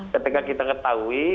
ketika kita ketahui